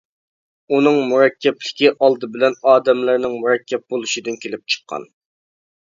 ئۇنىڭ مۇرەككەپلىكى ئالدى بىلەن ئادەملەرنىڭ مۇرەككەپ بولۇشىدىن كېلىپ چىققان.